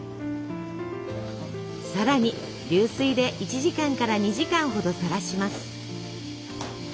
さらに流水で１時間から２時間ほどさらします。